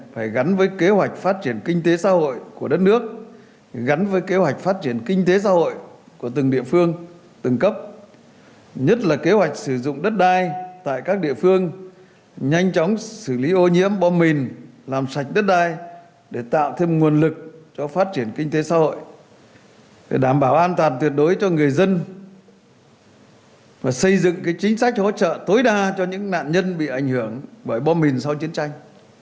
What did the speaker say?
phải gắn với kế hoạch phát triển kinh tế xã hội của đất nước gắn với kế hoạch phát triển kinh tế xã hội của từng địa phương từng cấp nhất là kế hoạch sử dụng đất đai tại các địa phương nhanh chóng xử lý ô nhiễm bom mìn làm sạch đất đai để tạo thêm nguồn lực cho phát triển kinh tế xã hội để đảm bảo an toàn tuyệt đối cho người dân và xây dựng chính sách hỗ trợ tối đa cho những nạn nhân bị ảnh hưởng bởi bom mìn sau chiến tranh